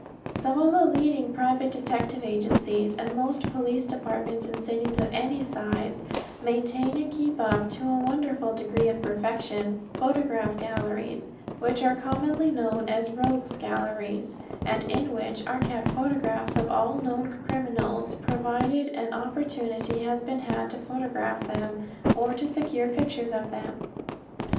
Some of the leading private detective agencies and most police departments in cities of any size, maintain and keep up, to a wonderful degree of perfection, photograph galleries which are commonly known as "rogues galleries," and in which are kept photographs of all known criminals, provided an opportunity has been had to photograph them or to secure pictures of them.